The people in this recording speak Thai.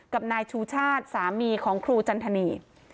กับนายชูชาติสามีของครูจันทนี